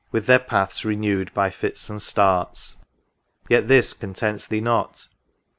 with their paths renewed By fits and starts, yet this contents thee not.